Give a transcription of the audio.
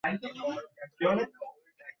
ছিলুম নিচের ঘরে, তখনই হাড় ঠিক করে দিয়েছি।